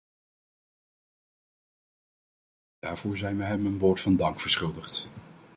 Daarvoor zijn wij hem een woord van dank verschuldigd.